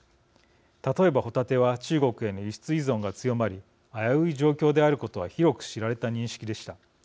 例えば、ホタテは中国への輸出依存が強まり危うい状況であることは広く知られた認識でした。